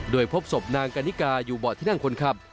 โดยพบศพนางกันนิกาอยู่เบาะที่นั่งคนขับ